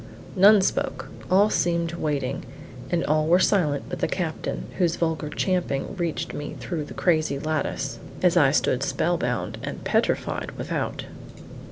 None spoke; all seemed waiting; and all were silent but the captain, whose vulgar champing reached me through the crazy lattice, as I stood spellbound and petrified without.